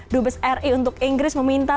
dut besar ri untuk inggris meminta